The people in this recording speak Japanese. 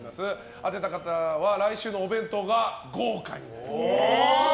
当てた方は来週のお弁当が豪華になります。